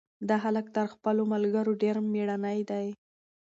دا هلک تر خپلو ملګرو ډېر مېړنی دی.